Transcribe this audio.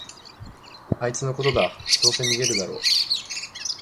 あいつのことだ、どうせ逃げるだろ